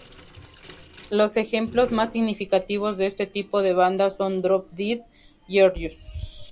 Los ejemplos más significativos de este tipo de bandas son Drop Dead, Gorgeous.